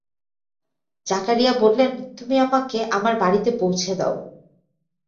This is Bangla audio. জাকারিয়া বললেন, তুমি আমাকে আমার বাড়িতে পৌছে দাও!